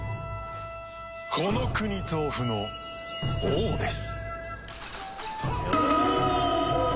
この国トウフの王です。